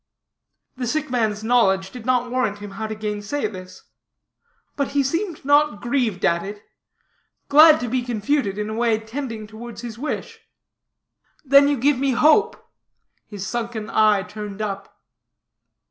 The sick man's knowledge did not warrant him to gainsay this. But he seemed not grieved at it; glad to be confuted in a way tending towards his wish. "Then you give me hope?" his sunken eye turned up.